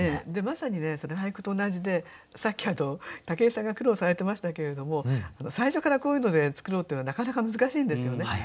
まさにそれ俳句と同じでさっき武井さんが苦労されてましたけれども最初からこういうので作ろうっていうのはなかなか難しいんですよね。